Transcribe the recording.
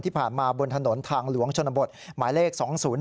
ที่ผ่านมาบนถนนทางหลวงชนบทหมายเลข๒๐๔